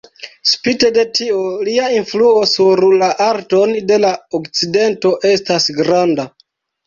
Spite de tio, lia influo sur la arton de la Okcidento estas granda.